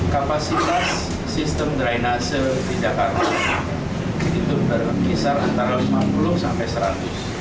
kapasitas sistem drainase di jakarta itu berkisar antara lima puluh sampai seratus